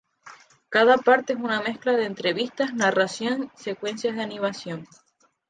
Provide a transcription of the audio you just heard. Cada parte es una mezcla de entrevistas, narración, secuencias de animación.